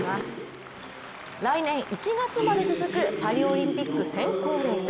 来年１月まで続くパリオリンピック選考レース。